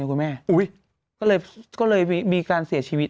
ก็เลยมีการเสียชีวิต